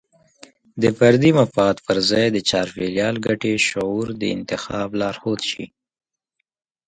د فردي مفاد پر ځای د چاپیریال ګټې شعور د انتخاب لارښود شي.